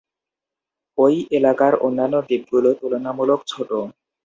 এই এলাকার অন্যান্য দ্বীপগুলো তুলনামূলক ছোট।